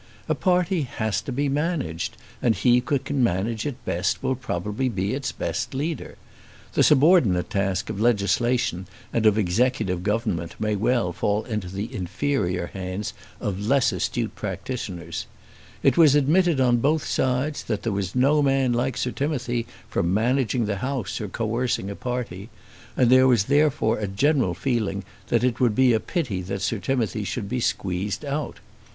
A party has to be managed, and he who can manage it best, will probably be its best leader. The subordinate task of legislation and of executive government may well fall into the inferior hands of less astute practitioners. It was admitted on both sides that there was no man like Sir Timothy for managing the House or coercing a party, and there was therefore a general feeling that it would be a pity that Sir Timothy should be squeezed out.